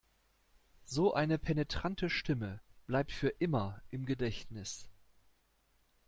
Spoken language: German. So eine penetrante Stimme bleibt für immer im Gedächtnis.